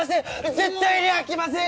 絶対にあきません